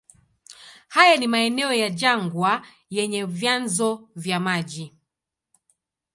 Haya ni maeneo ya jangwa yenye vyanzo vya maji.